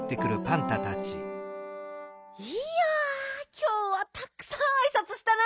いやきょうはたくさんあいさつしたな。